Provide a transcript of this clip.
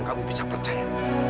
kamu bisa percaya